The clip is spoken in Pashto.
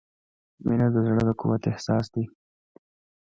• مینه د زړۀ د قوت احساس دی.